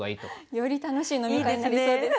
より楽しい飲み会になりそうですね。